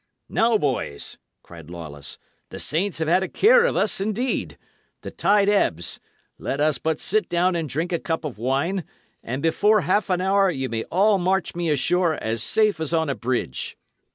"Now, boys," cried Lawless, "the saints have had a care of us, indeed. The tide ebbs; let us but sit down and drink a cup of wine, and before half an hour ye may all march me ashore as safe as on a bridge."